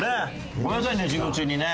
ごめんなさいね授業中にね。